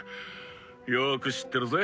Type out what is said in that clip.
よーく知ってるぜ。